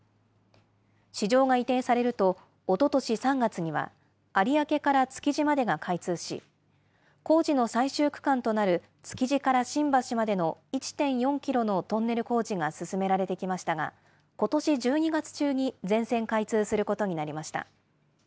市場が移転されると、おととし３月には、有明から築地までが開通し、工事の最終区間となる築地から新橋までの１．４キロのトンネル工事が進められてきましたが、ことし１２月中に全線開通することになりました。